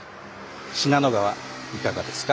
信濃川いかがですか？